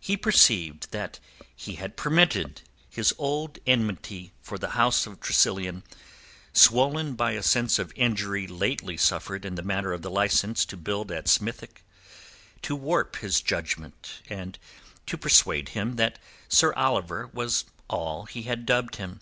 He perceived that he had permitted his old enmity for the house of Tressilian, swollen by a sense of injury lately suffered in the matter of the licence to build at Smithick, to warp his judgment and to persuade him that Sir Oliver was all he had dubbed him.